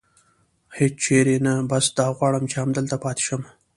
هېڅ چېرې نه، بس دا غواړم چې همدلته پاتې شم.